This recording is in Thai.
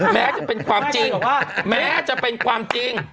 แม้จะเป็นความจริงแม้จะเป็นความจริง